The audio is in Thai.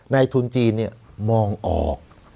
ในทุนจีนเนี่ยมองออก